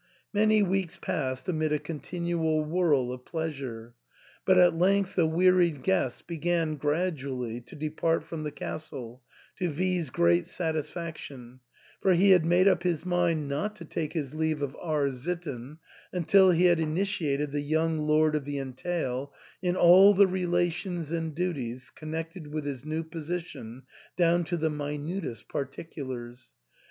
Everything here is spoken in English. Many weeks passed amid a continual whirl of pleasure ; but at length the wearied guests began gradually to depart from the castle, to V 's great satisfaction, for he had made up his mind not to take his leave of R — sitten until he had initiated the young lord of the entail in all the relations and duties connected with his new position down to the minutest particulars.